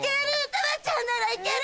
珠ちゃんならいける！